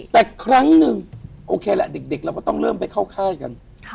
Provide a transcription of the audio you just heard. แต่ครั้งหนึ่งโอเคแหละเด็กเราก็ต้องเริ่มไปเข้าค่ายกัน